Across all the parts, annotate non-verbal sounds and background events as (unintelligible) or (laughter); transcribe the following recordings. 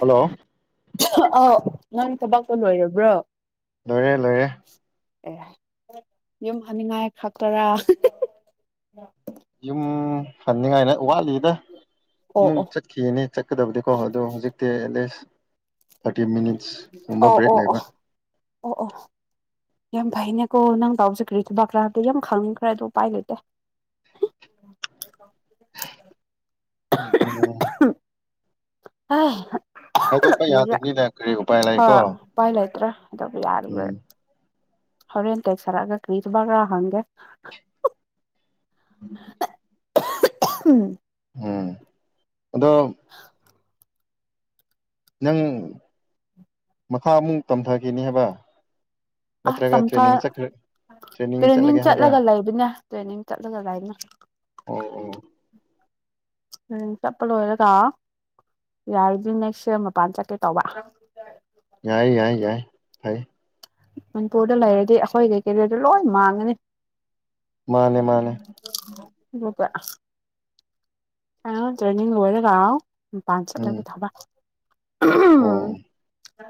Hello ꯑꯥꯎ ꯅꯪ ꯊꯕꯛꯇꯣ ꯂꯣꯏꯔꯕ꯭ꯔꯣ ꯂꯣꯏꯔꯦ ꯂꯣꯏꯔꯦ꯫ ꯑꯦ ꯌꯨꯝ ꯍꯅꯤꯡꯉꯥꯏ ꯈꯛꯇꯔꯥ ꯌꯨꯝ ꯍꯟꯅꯤꯡꯉꯥꯏꯅ ꯋꯥꯠꯂꯤꯗ ꯑꯃꯨꯛ ꯑꯣ ꯆꯠꯈꯤꯒꯅꯤ ꯆꯠꯀꯗꯕꯗꯤꯀꯣ ꯑꯗꯨ ꯍꯧꯖꯤꯛꯇꯤ ꯑꯦꯠꯂꯤꯁ ꯊꯥꯔꯇꯤ ꯃꯤꯅꯤꯠꯁ ꯒꯨꯝꯕ ꯑꯥꯎ ꯕ꯭ꯔꯦꯛ ꯑꯣ ꯂꯩꯕ ꯑꯣ ꯑꯣ ꯑꯣ ꯌꯥꯝ ꯐꯩꯅꯦꯀꯣ ꯅꯪ ꯇꯥꯎꯁ ꯀꯔꯤ ꯊꯕꯥ ꯈ꯭ꯔꯥꯗꯣ ꯌꯥꯝ ꯈꯪꯈ꯭ꯔꯦ ꯑꯗꯨꯗꯣ ꯎꯄꯥꯏ ꯂꯩꯇꯦ ꯂꯧꯁꯤꯟꯕ ꯉꯝꯗꯕ ꯂꯧꯁꯤꯟꯕ ꯉꯝꯗꯕ ꯍꯥꯏ ꯍ ꯍꯥꯏꯗꯣꯛꯄ ꯌꯥꯗꯕꯅꯤꯅ ꯀꯔꯤ ꯎꯄꯥꯏ ꯂꯩꯀꯣ (unintelligible) ꯎꯄꯥꯏ ꯂꯩꯇ꯭ꯔꯥ ꯑꯗꯨꯕꯨ ꯌꯥꯔꯨꯔ ꯎꯝ ꯍꯔꯦꯟ ꯇ ꯁꯔꯒ ꯀꯔꯤꯠꯕꯒ꯭ꯔ ꯍꯪꯒꯦ ꯑꯍꯨꯞ ꯑꯍꯨꯝ ꯎꯝ ꯑꯗꯣ ꯅꯪ ꯃꯈꯥ ꯑꯃꯨꯛ ꯇꯝꯊꯈꯤꯅꯤ ꯍꯥꯏꯕ ꯑꯁ ꯅꯠꯇ꯭ꯔꯒ ꯆꯝꯊꯥ ꯇ꯭ꯔꯦꯅꯤꯡ ꯆꯠꯈ꯭ꯔ ꯇ꯭ꯔꯦꯅꯤꯡ ꯆꯠꯂꯒꯦ ꯍꯥꯏꯕ꯭ꯔꯥ ꯆꯠꯂꯒ ꯂꯩꯕꯅꯦ ꯇ꯭ꯔꯦꯅꯤꯡ ꯆꯠꯂꯒ ꯂꯩꯕꯅꯦ꯫ ꯑꯣ ꯑꯣ ꯇ꯭ꯔꯦꯅꯤꯡ ꯆꯠꯄ ꯂꯣꯏꯔꯒ ꯌꯥꯔꯗꯤ ꯅꯦꯛꯁ ꯏꯌꯔ ꯃꯄꯥꯟ ꯆꯠꯀꯦ ꯇꯧꯕ ꯌꯥꯏ ꯌꯥꯏ ꯌꯥꯏ ꯐꯩ ꯃꯅꯤꯄꯨꯔꯗ ꯂꯩꯔꯗꯤ ꯑꯩꯈꯣꯏ ꯀꯩ ꯀꯩ ꯂꯩꯗꯨ ꯂꯣꯏ ꯃꯥꯡꯉꯅꯤ ꯃꯥꯅꯦ ꯃꯥꯅꯦ ꯐꯥꯏꯅꯦꯜ ꯇ꯭ꯔꯦꯅꯤꯡ ꯂꯣꯏꯔꯒ ꯅꯤꯄꯥꯟ ꯎꯝ ꯆꯠꯂꯒꯦ ꯊꯧꯕ ꯑꯣ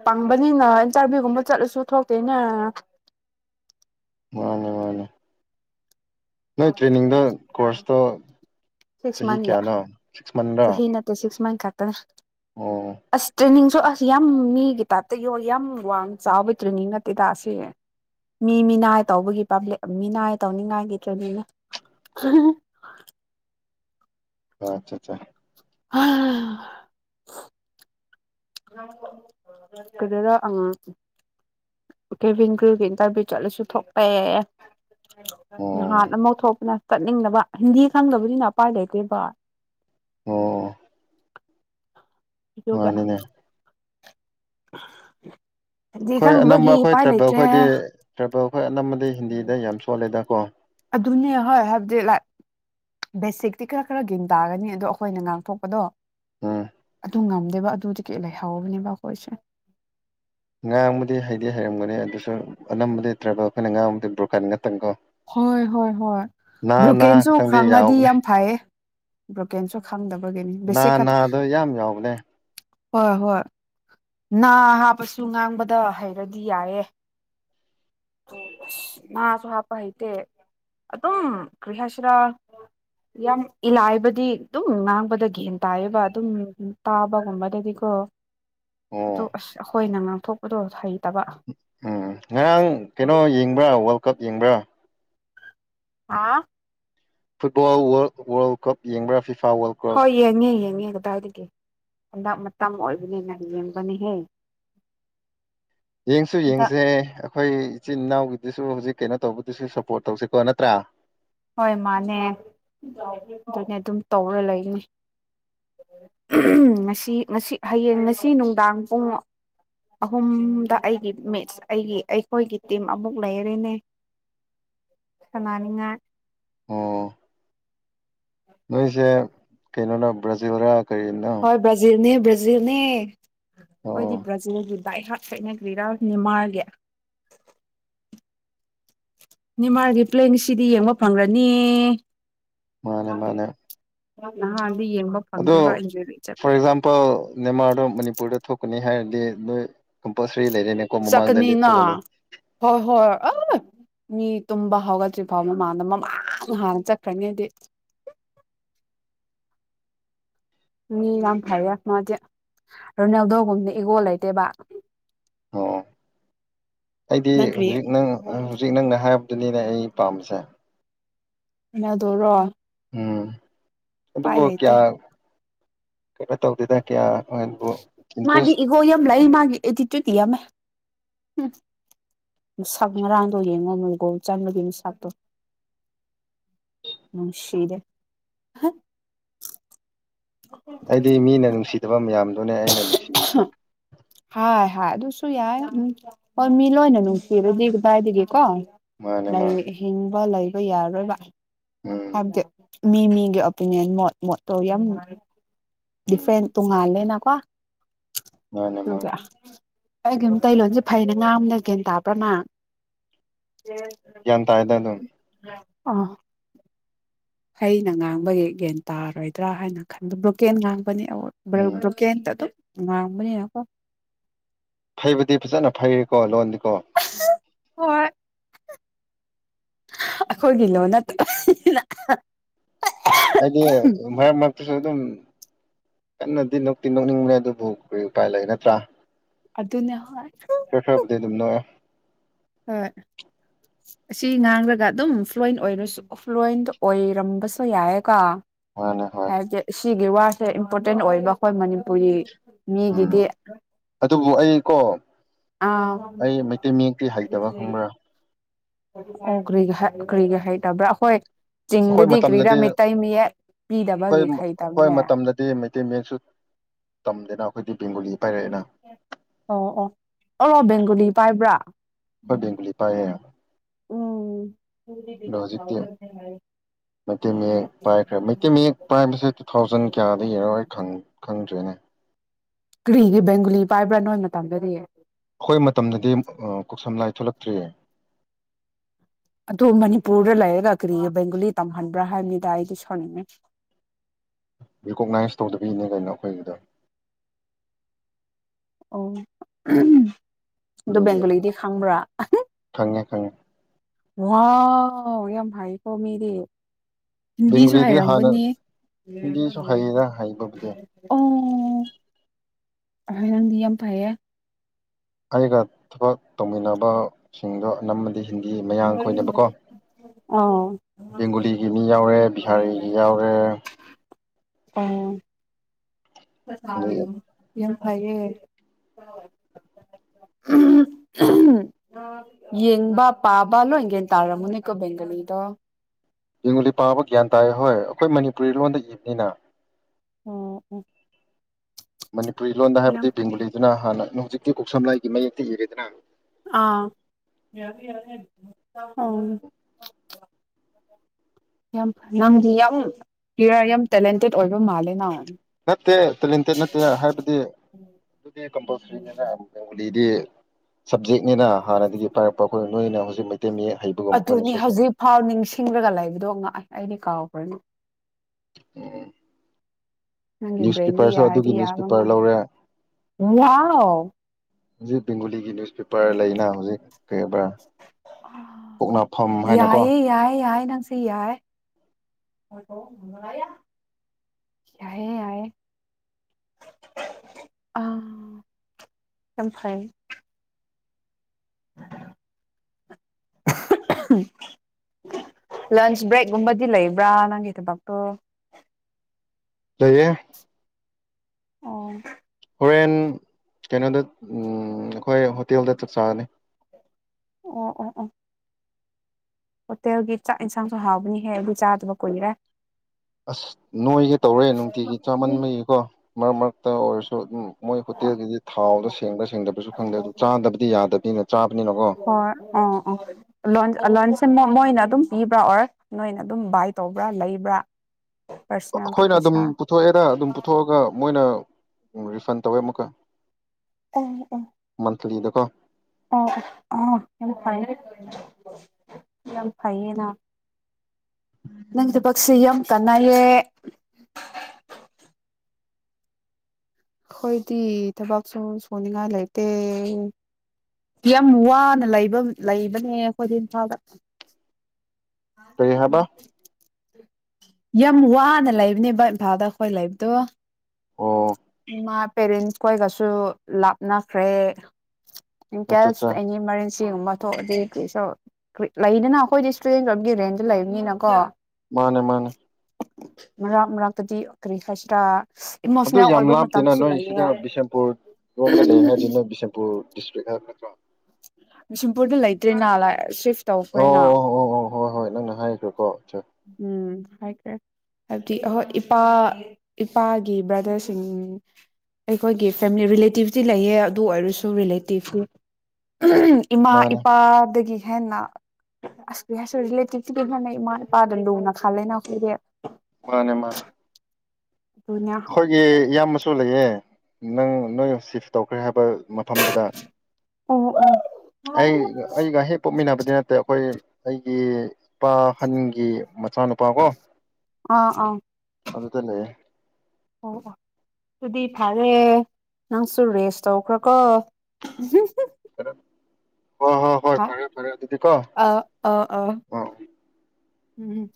ꯄꯥꯡꯕꯅꯤꯅ ꯑꯦꯟꯇꯥꯔꯚꯤꯌꯨꯒꯨꯝꯕ ꯆꯠꯂꯁꯨ ꯊꯣꯛ ꯇꯅ ꯃꯥꯅꯦ ꯃꯥꯅꯦ ꯅꯣꯏ ꯇ꯭ꯔꯦꯅꯤꯡꯗ ꯀꯣꯔꯁꯇ ꯁꯤꯛꯁ ꯆꯍꯤ ꯃꯟꯒꯤ ꯀꯌꯥꯅ ꯁꯤꯛꯁ ꯃꯟꯔꯥ ꯈꯇ ꯑꯁ ꯁꯣ ꯑꯁ ꯌꯥꯝ ꯃꯤꯒꯤ ꯇꯥꯏꯞꯇ ꯌꯣ ꯌꯥꯝ ꯋꯥꯡ ꯆꯥꯎꯕꯒꯤ ꯇ꯭ꯔꯦꯅꯤꯡ ꯅꯠꯇꯦꯗ ꯑ ꯑꯁꯤ ꯃꯤ ꯃꯤꯅꯥꯏ ꯇꯧꯕꯒꯤ ꯄꯕ꯭ꯂꯤꯛ ꯃꯤꯅꯥꯏ ꯇꯧꯅꯤꯡꯉꯥꯏꯒꯤ ꯆꯂꯒ ꯑꯠꯆꯥ ꯑꯆꯥ (unintelligible) ꯀꯩꯗꯗ ꯑ ꯀꯦꯚꯤꯡ ꯀꯨꯚꯟ ꯀꯔꯚ ꯆꯠꯂꯁꯨ ꯊꯣꯛꯄ ꯌꯥ ꯑꯣ ꯅꯍꯥꯟ ꯑꯃꯨꯧ ꯊꯣꯛꯄꯅ ꯆꯠꯅꯤꯡꯅꯕ ꯍꯤꯟꯗꯤ ꯈꯪꯗꯕꯅꯤꯅ ꯑꯄꯥꯏ ꯂꯩꯇꯦꯕ ꯑꯣ ꯏ ꯀꯦ ꯃꯥꯅꯤꯅꯦ (unintelligible) ꯍꯣꯏ ꯑꯅꯝꯕ ꯈꯪꯗꯕꯒꯤ ꯑꯩꯈꯣꯏ ꯎꯄꯥꯏ ꯇ꯭ꯔꯥꯏꯕꯦꯜ ꯂꯩꯇ꯭ꯔꯦ ꯈꯣꯏꯗꯤ ꯇ꯭ꯔꯥꯏꯕꯦꯜ ꯑꯩꯈꯣꯏ ꯑꯅꯝꯕꯗꯤ ꯍꯤꯟꯗꯤꯗ ꯌꯥꯝ ꯁꯣꯜꯂꯦꯗꯀꯣ ꯑꯗꯨꯅꯦ ꯍꯣꯏ ꯍꯥꯏꯕꯗꯤꯥꯏ ꯕꯦꯁꯤꯛꯇꯤ ꯈꯔ ꯈꯔ ꯒꯟ ꯇꯥꯒꯅꯤ ꯑꯗꯣ ꯑꯩꯈꯣꯏꯅ ꯉꯥꯡꯊꯣꯛꯄꯗꯣ ꯑꯥ ꯑꯗꯨ ꯉꯝꯗꯦꯕ ꯑꯗꯨꯗꯤ ꯀꯩ ꯂꯩꯍꯥꯎꯕꯅꯦꯕ ꯑꯩꯈꯣꯏꯁꯦ ꯉꯥꯡꯕꯗꯤ ꯍꯩꯗꯤ ꯍꯩꯔꯝꯒꯅꯤ ꯑꯗꯨꯁꯨ ꯑꯅꯝꯕꯗꯤ ꯂꯩꯇ꯭ꯔꯕ ꯑꯩꯈꯣꯏꯅ ꯉꯥꯡꯕꯗꯤ ꯕ꯭ꯔꯣꯛꯀꯥꯟ ꯍꯣꯏ ꯍꯣꯏ ꯍꯣꯏ ꯅꯥ ꯅꯥ ꯕ꯭ꯔꯨꯀꯦꯟꯁꯨ ꯈꯛꯇꯪꯗꯤ ꯈꯪꯉꯗꯤ ꯌꯥꯎꯕꯅꯦ ꯌꯥꯝ ꯐꯩꯌꯦ ꯕ꯭ꯔꯨꯀꯦꯟꯁꯨ ꯈꯪꯗꯕꯒꯤꯅꯤ ꯅꯥ ꯕꯦꯁꯤꯛ ꯈꯛꯇꯪ ꯅꯥꯗꯣ ꯌꯥꯝ ꯌꯥꯎꯕꯅꯦ ꯍꯣꯏ ꯍꯣꯏ ꯉꯥ ꯍꯥꯞꯄꯁꯨ ꯉꯥꯡꯕꯗ ꯍꯩꯔꯗꯤ ꯌꯥꯌꯦꯦ ꯑ ꯉꯁꯨ ꯀ ꯍꯩꯇꯦ ꯑꯗꯨꯝ ꯀꯔꯤꯍꯁꯤꯔꯥ ꯌꯥꯝ ꯏꯂꯥꯏꯕꯗꯤ ꯑꯗꯨꯝ ꯉꯥꯡꯕꯗ ꯒꯌꯥꯦꯟ ꯇꯥꯏꯌꯦꯕ ꯑꯗꯨꯝ ꯇꯥꯕꯒꯨꯝꯕꯗꯗꯤꯀꯣ ꯔꯣ ꯑꯣ ꯁ ꯍꯣꯏꯅꯉꯝ ꯊꯣꯣꯛꯄꯗꯣ ꯊꯥꯏ ꯎꯝ ꯉꯔꯥꯡ ꯀꯩꯅꯣ ꯌꯦꯡꯕ꯭ꯔꯥ ꯋꯥꯔꯜ ꯀꯞ ꯌꯦꯡꯕ꯭ꯔꯥ ꯍꯥꯥ ꯐꯨꯠꯕꯣꯜ ꯋꯥꯔꯜ ꯀꯞ ꯌꯦꯡꯕ꯭ꯔꯥ ꯐꯤꯐꯥ ꯋꯥꯔꯜ ꯀꯞ ꯍꯣꯏ ꯌꯦꯡꯉ ꯌꯦꯡꯉ ꯀꯗꯥꯏꯗꯒꯤꯦ ꯍꯟꯗꯛ ꯃꯇꯝ ꯑꯣꯏꯕꯅꯤꯅ ꯌꯦꯡꯕꯅꯤꯍꯦ ꯌꯦꯡꯁꯨ ꯍꯟꯗꯛ ꯌꯦꯡꯁꯦ ꯑꯩꯈꯣꯏ ꯏꯆꯤꯟ ꯏꯅꯥꯎꯒꯤꯗꯨꯁꯨ ꯍꯧꯖꯤꯛ ꯀꯩꯅꯣ ꯇꯧꯕꯗꯨꯁꯨ ꯁꯞꯄꯣꯔꯠ ꯇꯧꯁꯤꯀꯣ ꯅꯠꯇ꯭ꯔꯥ ꯍꯣꯏ ꯃꯥꯅꯦ ꯑꯗꯨꯅꯦ ꯑꯗꯨꯝ ꯇꯧꯔ ꯂꯩꯅꯤ ꯉꯁꯤ ꯉꯁꯤ ꯍꯌꯦꯡ ꯉꯁꯤ ꯅꯨꯡꯗꯥꯡ ꯄꯨꯡ ꯑꯍꯨꯝꯗ ꯑꯩꯒꯤ ꯃꯦꯠꯁ ꯑꯩꯒꯤ ꯑꯩꯈꯣꯏꯒꯤ ꯇꯤꯝ ꯑꯃꯨꯛ ꯂꯩꯔꯦꯅꯦ ꯁꯅꯥꯅꯤꯡꯉꯥꯏ ꯑꯣ ꯅꯣꯏꯁꯦ ꯀꯩꯅꯩꯅꯣꯅ ꯭ꯔꯖꯤ ꯍꯣꯏ ꯕꯥꯖꯜꯅꯦ ꯭ꯔꯖꯤꯜꯅꯦ ꯑꯣ ꯑꯩꯣꯏꯗꯤꯕ꯭ꯔꯆꯤꯅ ꯥꯏꯍꯥꯛ ꯁꯣꯏꯅꯈ꯭ꯔꯤꯔꯥ ꯅꯤꯃꯥꯔꯒꯦ ꯅꯤꯃꯥꯔꯒꯤ ꯄ꯭ꯂꯦꯟꯁꯤꯗꯤ ꯌꯦꯡꯕ ꯐꯪꯒꯅꯤ ꯃꯥꯅꯦ ꯃꯥꯅꯦ ꯍ ꯑꯗꯣ ꯐꯣꯔ ꯑꯦꯛꯖꯥꯝꯄꯜ ꯃꯦꯟꯃꯥꯔꯗꯣ ꯃꯅꯤꯄꯨꯔꯗ ꯊꯣꯛꯀꯅꯤ ꯍꯥꯏꯔꯅꯤ ꯀꯄꯣꯁ ꯆꯀꯅꯤꯅ ꯍꯣꯏ ꯍꯣꯏ ꯑ ꯃꯤ ꯇꯨꯝꯕ ꯍꯧꯒꯠꯇ꯭ꯔꯤ ꯐꯥꯎ ꯃꯃꯥꯡꯗ ꯃꯃ ꯍꯥꯟꯅ ꯆꯠꯈ꯭ꯔꯅꯤꯗꯤ ꯃꯤ ꯌꯥꯝ ꯐꯩꯌꯦ ꯃꯥꯗꯤ ꯔꯣꯅꯥꯜꯗꯣꯒꯨꯝꯕꯗꯤ ꯏꯒꯣ ꯂꯩꯇꯦꯕ ꯑꯣ ꯑꯩꯗꯤ ꯅꯪ ꯀ꯭ꯔꯤ ꯍꯧꯖꯤꯛ ꯅꯪ ꯍꯧꯖꯤꯛ ꯅꯪꯅ ꯍꯥꯏꯕꯗꯨꯅꯤ ꯑꯩ ꯄꯥꯝꯁꯦ ꯗꯔꯣ ꯑ ꯑ ꯑꯗꯨꯕꯨ ꯀꯌꯥ ꯀꯩꯅꯣ ꯇꯧꯗꯗ ꯀꯌꯥ ꯑꯗꯨꯕꯨ ꯃꯥꯗꯤ ꯏꯟꯇꯔꯦꯁ ꯏꯒꯣ ꯌꯥꯝ ꯂ ꯂꯩ ꯃꯥꯒꯤ ꯇꯇꯌꯥ ꯃ ꯎ ꯃꯤꯁꯛ ꯉꯔꯥꯡꯗꯣ ꯌꯦꯡꯉꯣ ꯃꯨꯀꯣ ꯆꯟꯂꯒꯤ ꯃꯤꯁꯥꯛꯇꯣ ꯎ ꯁꯤꯗ ꯍꯥꯏꯗꯤ ꯃꯤꯅ ꯅꯨꯡꯁꯤꯗꯕ ꯌꯥꯝꯅꯤ ꯑꯗꯨꯅꯦ ꯑ ꯅ ꯊꯁ ꯊꯥ ꯑꯗꯨꯁꯨ ꯌꯥꯏ ꯎꯝ ꯍꯣꯏ ꯃꯤ ꯂꯣꯏꯅ ꯅꯨꯡꯁꯤꯕꯗꯤ ꯑꯗꯨꯗꯥꯏꯗꯒꯤ ꯀꯣ ꯃꯥꯅꯦ ꯂꯩ ꯃꯥꯅꯦ ꯍꯤꯡꯕ ꯂꯩ ꯌꯥꯔꯔꯣꯏꯕ ꯎꯝ ꯑꯗ ꯃꯤ ꯃꯤꯒꯤ ꯑꯣꯄꯤꯅꯤꯌꯟ ꯃꯣꯠ ꯃꯣꯠꯇꯣ ꯌꯥꯝ ꯅꯨꯡꯉꯥꯏ ꯐ꯭ꯔꯦꯟ ꯇꯨꯡ ꯉ ꯃꯥꯂꯦꯝꯂꯅ ꯀꯥ ꯑꯅꯦ ꯃꯥ ꯑꯩꯒꯤ ꯃꯨꯝꯇꯩꯂꯣꯟꯣꯟꯁꯦ ꯐꯩꯅ ꯉꯥꯝꯅꯒꯦ ꯇꯥꯕ꯭ꯔꯃ ꯒ꯭ꯌꯥꯟ ꯇꯥꯏꯗ ꯑꯗꯨꯝ (inaudible) ꯑꯥ ꯍꯩꯅ ꯉꯥꯡꯕꯒꯤ ꯒꯌꯥꯟ ꯇꯥꯔꯣꯏꯗ꯭ꯔꯥ ꯍꯥꯏꯅ ꯈꯟꯕꯗꫭꯀꯦꯟ ꯉꯥꯟ ꯎꯝ ꯅꯤꯕ꯭ꯔꯣ ꯀꯦꯦꯟ ꯑꯗꯨꯣ ꯉꯥꯡꯕꯅꯤꯅ ꯀꫭ ꯐꯩꯕꯗꯤ ꯐꯖꯅ ꯐꯩꯔꯀꯣ ꯂꯣꯟꯗꯨ ꯍꯣ ꯍꯣꯏ ꯑꯩꯈꯣꯏꯒꯤ ꯂꯣꯟ ꯅꯠꯇꯕꯅꯤꯅ ꯍꯥꯏꯗꯤ ꯃꯔꯛ-ꯃꯔꯛ ꯁꯨ ꯑꯗꯨꯝ ꯀꯟꯅꯗꯤ ꯅꯣꯛꯇꯤ ꯅꯣꯛꯅꯤꯡꯕꯦ ꯑꯗꯨꯕꯨ ꯀꯔꯤ ꯎꯄꯥꯏ ꯂꯩ ꯅꯠꯇ꯭ꯔꯥ꯫ ꯑꯗꯨꯅꯦ ꯍꫭꯏ꯫ ꯈꯔ ꯈꯔꯕꯨꯗꯤ ꯑꯗꯨꯝ ꯅꯣꯛꯑꯦ ꯍꯣꯏ ꯑꯁꯤ ꯉꯥꯡꯂꯒ ꯑꯗꯨꯝ ꯐ꯭ꯂꯨꯋꯟ ꯑꯣꯏꯔꯁꯨ ꯐ꯭ꯂꯨꯋꯟ ꯑꯣꯏꯔꯝꯕꯁꯨ ꯌꯥꯏꯑꯀꯣ ꯃꯥꯅꯦ ꯍꯣꯏ (unintelligible) ꯁꯤꯒꯤ ꯋꯥꯔꯁꯦ ꯏꯝꯄꯣꯔꯇꯦꯟ ꯑꯣꯏꯕ ꯑꯩꯈꯣꯏ ꯃꯅꯤꯄꯨꯔꯤ ꯎꯝ ꯃꯤꯒꯤꯗꯤ ꯑꯗꯨꯕꯨ ꯑꯩꯀꯣ ꯑꯥ ꯑꯩ ꯃꯩꯇꯩ ꯃꯌꯦꯛꯇꯤ ꯍꯩꯇꯕ ꯈꯪꯕ꯭ꯔꯥ꯫ ꯑꯣ ꯀꯔꯤꯔꯤ ꯍ ꯀꯔꯤꯒꯤ ꯍꯩꯇꯕ꯭ꯔꯥ ꯑꯈꯣꯏ ꯑꯩꯈꯣꯏ ꯆꯤꯡꯗꯗꯤ ꯀ꯭ꯔꯤꯔꯥ ꯃꯇꯝꯗꯗꯤ ꯃꯤꯇꯩ ꯃꯌꯦꯠ ꯄꯤꯗꯕꯒꯤ ꯈꯩ ꯇꯕꯅꯦ꯫ ꯇꯩ ꯃꯌꯦꯛꯁꯨ ꯇꯝꯗꯦꯅ ꯑꯩꯈꯣꯏꯗꯤ ꯕꯦꯡꯒꯣꯂꯤ ꯄꯥꯏꯔꯛꯑꯦꯅ ꯑꯣ ꯑꯣ ꯑꯣ ꯕꯦꯡ ꯒꯨꯂꯤ ꯄꯥꯏꯕ꯭ꯔꯥ꯫ ꯍꯣꯏ ꯕꯦꯡꯒꯨꯂꯤ ꯄꯥꯏꯌꯦꯦ ꯎꯝ ꯑꯗꯣ ꯍꯧꯖꯤꯛꯇꯤ ꯃꯩꯇꯩ ꯃꯌꯦꯛ ꯄꯥꯏꯈ꯭ꯔꯦ ꯃꯩꯇꯩ ꯃꯌꯦꯛ ꯄꯥꯏꯕꯁꯦ ꯇꯨ ꯊꯥꯎꯖꯟ ꯀꯌꯥꯗ ꯌꯦꯔꯣꯏ ꯈꯪꯗ꯭ꯔꯦꯅꯦ ꯀ꯭ꯔꯤꯒꯤ ꯕꯦꯡꯒꯨꯂꯤ ꯄꯥꯏꯕ꯭ꯔꯥ ꯅꯣꯏ ꯃꯇꯝꯗꯗꯤ꯫ ꯑꯩꯈꯣꯏ ꯃꯇꯝꯗꯗꯤ ꯀꯣꯛꯁꯝ ꯂꯥꯏ ꯊꯣꯛꯂꯛꯇ꯭ꯔꯤꯌꯦ꯫ ꯑꯗꯨ ꯃꯅꯤꯄꯨꯔꯗ ꯂꯩꯔꯒ ꯀꯔꯤ ꯕꯦꯡꯒꯣꯂꯤ ꯇꯝꯍꯟꯕ꯭ꯔꯥ ꯍꯥꯏꯕꯅꯤꯗ ꯑꯩꯗꯤ ꯁꯣꯟꯅꯤꯡꯑꯦ꯫ ꯔꯤꯀꯣꯛꯅꯥꯏꯁ ꯇꯧꯗꯕꯩꯅꯦ ꯀꯩꯅꯣ ꯑꯩꯈꯣꯏꯒꯤꯗꫭ꯫ ꯑꯣ ꯑꯗꯣ ꯑꯗꯨꯒꯤ ꯕꯦꯡꯒꯂꯤꯗꯤ ꯈ꯭ꯔꯥ ꯈꯪꯉꯦ ꯈꯪꯉꯦ ꯋꯥ ꯌꯥꯝ ꯍꯥꯏꯀꯣ ꯃꯤꯗꯤ꯫ ꯍꯤꯟꯕꯤꯁꯨ ꯕꯦꯡꯒꯂꯤꯗꯤ ꯍꯥꯟꯅ ꯍꯥꯏꯔꯝꯒꯅꯦ ꯍꯤꯟꯗꯤꯁꯨ ꯍꯩꯌꯦꯗ ꯍꯩꯕꯕꯨꯗꯤ ꯑꯣ ꯑꯍꯩ ꯅꯪꯗꯤ ꯌꯥꯝ ꯐꯩꯌꯦ꯫ ꯑꯩꯒ ꯊꯕꯛ ꯇꯧꯃꯤꯟꯅꯕꯁꯤꯡꯗꯣ ꯑꯅꯝꯕꯗꯤ ꯍꯤꯟꯗꯤ ꯃꯌꯥꯡꯈꯣꯏꯅꯕꯀꯣ ꯑꯥꯎ ꯕꯦꯡꯒꯣꯂꯤꯒꯤ ꯃꯤ ꯌꯥꯎꯔꯦ ꯕꯤꯍꯥꯔꯤꯒꯤ ꯌꯥꯎꯔꯦ ꯑꯗꯒꯤ (unintelligible) ꯐꯌꯦ ꯌꯦꯡꯕ ꯄꯥꯕ ꯂꯣꯏꯒꯦꯟ ꯇꯥꯔꯝꯑꯅꯤꯀꯣ ꯕꯦꯡꯒꯂꯤꯗꯣ꯫ ꯕꯦꯡꯉꯨꯂꯤ ꯄꯥꯕ ꯒ꯭ꯌꯥꯟ ꯇꯥꯏ ꯍꯣꯏ ꯑꯩꯈꯣꯏ ꯃꯅꯤꯄꯨꯔꯤ ꯂꯣꯟꯗ ꯏꯕꯅꯤꯅ꯫ ꯑꯣ ꯑꯣ ꯃꯅꯤ ꯎꯨꯔꯤ ꯂꯣꯟꯗ ꯌꯥꯝ ꯍꯥꯏꯕꯗꯤ ꯐꯩ ꯕꯦꯡꯒꯨꯂꯤꯗꯨꯅ ꯍꯥꯟꯅ ꯍꯧꯖꯤꯛꯇꯤ ꯀꯣꯛꯁꯝꯂꯥꯏꯒꯤ ꯃꯌꯦꯛꯇ ꯏꯔꯦꯗꯅ꯫ ꯑꯥ ꯑꯥꯎ ꯌꯥꯝ ꯅꯪꯗꯤ ꯌꯥꯝ ꯄ꯭ꯤꯌꯔ ꯌꯥꯝ ꯇꯦꯂꯦꯟꯇꯦꯠ ꯑꯣꯏꯕ ꯃꯥꯜꯂꯦ ꯅꯍ ꯅꯠꯇꯦ ꯇꯦꯂꯦꯟꯇꯦꯠ ꯅꯠꯇꯦ ꯍꯥꯏꯕꯗꯤ ꯑꯗꯤ ꯁꯞꯖꯦꯛꯅꯤꯅ ꯍꯥꯟꯅꯗꯒꯤ ꯄꯥꯏꯔꯛꯄ ꯑꯩꯈꯣꯏ ꯅꯣꯏꯅ ꯍꯧꯖꯤꯛ ꯃꯩꯇꯩ ꯃꯌꯦꯛ ꯍꯩꯕꯒꯨꯝ ꯑꯗꯨꯅꯤ ꯑꯩꯈꯣꯏꯅꯁꯨ ꯑꯗꯨꯝ ꯍꯧꯖꯤꯛꯐꯥꯎ ꯅꯤꯡꯁꯤꯡꯂꯒ ꯂꯩꯕꯗꯣ ꯉꯥꯛꯑꯦ ꯑꯩꯗꯤ ꯀꯥꯎ ꯐꯅꯤ ꯎꯝ ꯅꯪꯒꯤꯕꯦꯜꯂꯤ ꯅ꯭ꯌꯨꯁꯄꯦꯄꯔꯁꯨ ꯌꯥꯔ ꯑꯗꯨꯒꯤ ꯌꯥꯕ ꯅ꯭ꯌꯨꯁꯄꯦꯄꯔ ꯃꯥ ꯂꯧꯔꯦ ꯋꯥ ꯦꯡꯒꯣꯂꯤꯒꯤ ꯄꯤꯄꯔ ꯂꯩꯅ ꯍꯧꯖꯤꯛ ꯀꯩꯔꯤꯕ꯭ꯔꯥ ꯄꯣꯛꯅꯐꯝ ꯍꯥꯏꯅꯀꯣ ꯁꯤ ꯌꯥꯏꯦ ꯌꯥꯑꯦ ꯌꯥꯏꯑꯩ ꯑꯥ ꯌꯥꯝ ꯐꯩ꯫ ꯂꯟꯆ ꯕ꯭ꯔꯦꯛꯀꯨꯝꯕꯗꯤ ꯂꯩꯕ꯭ꯔꯥ ꯅꯪꯒꯤ ꯊꯕꯛꯇꯣ ꯀꯏꯌꯦ ꯑꯣ ꯍꯣꯔꯦꯟ ꯀꯩꯅꯣꯗ ꯑꯩꯈꯣꯏ ꯍꯣꯇꯦꯜꯗ ꯆꯞ ꯆꯥꯅꯤ ꯑꯣ ꯑꯣ ꯑꯣ ꯍꯣꯇꯦꯜꯒꯤ ꯆꯥꯛ ꯌꯦꯟꯁꯥꯡꯁꯨ ꯍꯥꯎꯕꯅꯤꯍꯦ ꯑꯗꯨ ꯆꯥꯗꯕ ꯀꯨꯏꯔꯦ ꯑꯁ ꯅꯣꯏꯒ ꯇꯧꯔꯦ ꯅꯨꯡꯇꯤꯒꯤ ꯆꯃꯟ ꯑꯃꯒꯤꯩꯒꯤꯀꯣ ꯃꯔꯛ ꯃꯔꯛꯇ ꯑꯣꯏꯔꯁꯨ ꯗꯨꯝ ꯃꯣꯏ ꯍꯣꯇꯦꯜꯒꯤꯗꯤ ꯊꯥꯎꯗꯣ ꯁꯦꯡꯕ꯭ꯔꯥ ꯁꯦꯡꯗꯕꯁꯨ ꯈꯪꯗꯦ ꯑꯗꯨ ꯆꯥꯗꯕꯗꯤ ꯌꯥꯗꯕꯅꯤꯅꯠꯇ ꯍ ꯑ ꯂ ꯂꯟ ꯁꯤ ꯃꯣꯏꯅ ꯑꯗꯨꯝ ꯄꯤꯕ꯭ꯔꯥ ꯑꯣꯔ ꯅꯣꯏꯅ ꯑꯗꯨꯝ ꯕꯥꯏ ꯇꯧꯕ꯭ꯔꯥ ꯂꯩꯕ꯭ꯔꯥ ꯄꯔꯁꯣꯅꯦꯜꯒꯤ ꯑꯩꯈꯣꯏꯅ ꯑꯗꯨꯝ ꯄꯩꯁꯥ ꯄꯨꯊꯣꯛꯑꯦꯗ ꯑꯗꯨꯝ ꯄꯨꯊꯣꯛꯑꯒ ꯃꯣꯏꯅ ꯐꯟ ꯇꯧꯋꯦ ꯑꯃꯨꯀ ꯑꯣ ꯑꯣ ꯑꯣ ꯑ ꯌꯥꯝ ꯐꯩꯌꯦꯅ ꯅꯪꯒꯤ ꯊꯕꯛꯁꯤ ꯌꯥꯝ ꯀꯥꯟꯅꯩꯌꯦ ꯈꯣꯏꯗꯤ ꯊꯕꯛꯁꯨ ꯁꯨꯅꯤꯡꯉꯥꯏ ꯂꯩꯇꯦ ꯌꯥꯝ ꯋꯥꯅ ꯂꯩꯕ ꯂꯩꯕꯅꯦ ꯑꯩꯈꯣꯏꯗꯤ ꯏꯝꯐꯥꯜꯗ꯫ ꯀꯔꯤ ꯍꯥꯏꯕꯥ꯫ ꯌꯥꯝ ꯋꯥꯅ ꯂꯩꯕꯅꯦꯕ ꯏꯝꯐꯥꯜꯗ ꯑꯩꯈꯣꯏ ꯂꯩꯕꯗꯣ ꯑꯣ ꯃꯥ ꯄꯦꯔꯦꯟꯁꯈꯣꯏꯒꯁꯨ ꯂꯥꯞꯅꯈ꯭ꯔꯦ ꯏꯟ ꯑꯠꯆꯥ ꯑꯠꯆꯥ ꯀꯦꯁ ꯑꯦꯅꯤ ꯏꯃꯥꯔꯖꯦꯟꯁꯤꯒꯨꯝꯕ ꯊꯣꯛꯑꯗꯤ ꯀꯩꯁꯨ ꯂꯩꯗꯅ ꯑꯩꯈꯣꯏꯗꯤ ꯏꯁꯇꯨꯗꯦꯟ ꯑꯣꯏꯕꯒꯤ ꯔꯦꯟꯗ ꯂꯩꯕꯅꯤꯅꯀꯣ ꯃꯥꯅꯦ ꯃꯥꯅꯦ ꯃꯔꯛ ꯃꯔꯛꯇꯗꯤ ꯀꯔꯤ ꯍꯥꯏꯁꯤꯔꯥ ꯑꯗꯨ ꯏꯃꯣꯁꯅꯦꯜ ꯌꯥꯝ ꯑꯣꯏꯕ ꯂꯥꯞꯇꯦꯅ ꯃꯇꯝꯁꯨ ꯅꯣꯏ ꯁꯤꯗ ꯂꯩꯌꯦ ꯕꯤꯁꯦꯝꯄꯨꯔ ꯔꯣꯝꯗ ꯂꯩ ꯍꯥꯏꯔꯗꯤ ꯅꯣꯏ ꯕꯤꯁꯦꯝꯄꯨꯔ ꯗꯤꯁꯇꯔꯤꯛ ꯍꯥꯏꯕ ꯅꯠꯇ꯭ꯔꯣ ꯕꯤꯁꯦꯝꯄꯨꯔꯗ ꯂꯩꯇ꯭ꯔꯦ ꯅ ꯁꯤꯞ ꯑꯣ ꯇꯧꯈꯔꯦꯅ ꯑꯣ ꯑꯣ ꯑꯣ ꯍꯣꯏ ꯍꯣꯏ ꯅꯪꯅ ꯍꯥꯏꯈ꯭ꯔꯦꯀꯣ ꯑꯆꯥ ꯎꯝ ꯍꯥꯏꯕꯗꯤ ꯑꯍꯣꯏ ꯏꯄꯥ ꯏꯄꯥꯒꯤ ꯕ꯭ꯔꯗꯔꯁꯤꯡ ꯑꯩꯈꯣꯏꯒꯤ ꯐꯦꯃꯤꯂꯤ ꯔꯤꯂꯦꯇꯤꯞꯇꯤ ꯂꯩꯌꯦ ꯑꯗꯨ ꯑꯣꯏꯔꯁꯨ ꯔꯤꯂꯦꯇꯤꯞꯀꯤ ꯏꯃꯥ ꯃꯥꯅꯦ ꯏꯄꯥꯗꯒꯤ ꯍꯦꯟꯅ ꯑꯁ ꯀ ꯍꯥꯏꯁꯨ ꯔꯤꯂꯦꯇꯤꯞꯇ ꯑꯗꯨ ꯍꯦꯟꯅ ꯏꯃꯥ ꯏꯄꯥꯗ ꯂꯨꯅ ꯈꯜꯂꯦꯅ ꯑꯩꯈꯣꯏꯗꯤ ꯃꯥꯅꯦ ꯃꯥꯅꯦ ꯑꯗꯨꯅ ꯑꯩꯈꯣꯏꯒꯤ ꯏꯌꯥꯝ ꯃꯁꯨꯨ ꯂꯩꯌꯦ ꯅꯪ ꯅꯣꯏ ꯁꯤꯐ ꯇꯧꯈ꯭ꯔꯦ ꯍꯥꯏꯕ ꯃꯐꯝꯗꯨꯗ ꯑꯣ ꯑꯣ ꯑꯥ ꯑꯩ ꯑꯩꯒ ꯍꯦꯛ ꯄꯣꯛꯃꯤꯟꯅꯕꯗꯤ ꯅꯠꯇꯦ ꯑꯩꯈꯣꯏ ꯑꯩꯒꯤ ꯏꯄꯥꯍꯟꯒꯤ ꯁꯅꯨ ꯄ ꯀꯣ ꯑꯥ ꯑꯗꯨꯗ ꯂꯩꯌꯦ ꯑꯣ ꯑꯣ ꯑꯗꯨꯗꯤ ꯐꯔꯦ ꯅꯪꯁꯨ ꯔꯦꯁ ꯇꯧꯈ꯭ꯔꯣꯀꯣ ꯍꯨꯝ ꯍꯨꯝ (unintelligible) ꯍꯣꯏ ꯑ ꯐꯔꯦ ꯐꯔꯦ ꯑꯗꯨꯗꯤ ꯀꯣ ꯑ ꯑ ꯑ ꯑꯥ ꯎꯝ